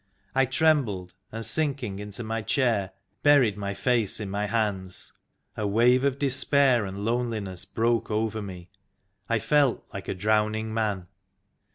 I trembled, and, sinking into my chair, buried my face in my hands. A wave of despair and lone liness broke over me. I felt like a drowning man.